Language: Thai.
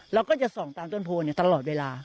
เราก็จะส่องตามต้นโพลตลอดเวลา